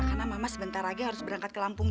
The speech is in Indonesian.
karena mama sebentar lagi harus berangkat ke lampung